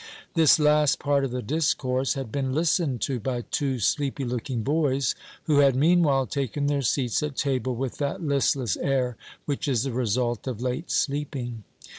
This last part of the discourse had been listened to by two sleepy looking boys, who had, meanwhile, taken their seats at table with that listless air which is the result of late sleeping.